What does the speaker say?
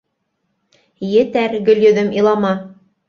— Етәр, Гөлйөҙөм, илама.